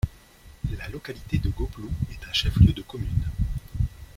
La localité de Gloplou est un chef-lieu de commune.